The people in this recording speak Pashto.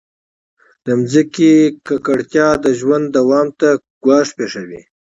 د مځکې کثافات د ژوند دوام ته ګواښ پېښوي.